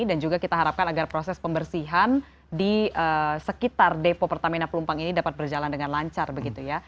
dan juga kita harapkan agar proses pembersihan di sekitar depo pertamina pelumpang ini dapat berjalan dengan lancar begitu ya